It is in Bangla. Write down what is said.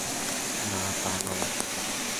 না তা নয়।